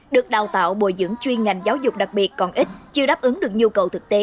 được đào tạo bồi dưỡng chuyên ngành giáo dục đặc biệt còn ít chưa đáp ứng được nhu cầu thực tế